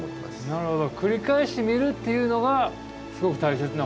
なるほど。